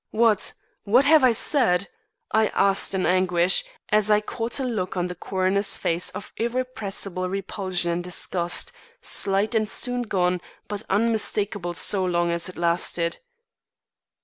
What what have I said?" I asked in anguish, as I caught a look on the coroner's face of irrepressible repulsion and disgust, slight and soon gone but unmistakable so long as it lasted.